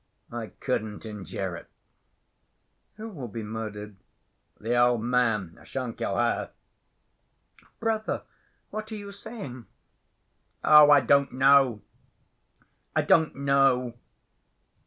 I couldn't endure it." "Who will be murdered?" "The old man. I shan't kill her." "Brother, what are you saying?" "Oh, I don't know.... I don't know.